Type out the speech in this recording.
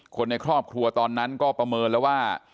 คนในครอบครัวตอนนั้นก็ประเมินแล้วว่า